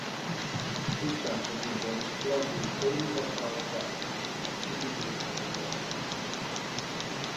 This junction was always clogged with daily rush hour traffic and was subsequently overhauled.